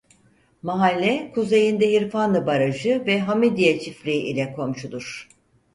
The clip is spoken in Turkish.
Mahalle Kuzeyinde Hirfanlı Barajı ve Hamidiye Çiftliği ile komşudur.